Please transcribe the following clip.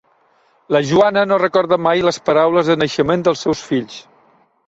La Joana no recorda mai les paraules de naixement dels seus fills.